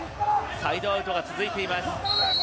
サイドアウトが続いています。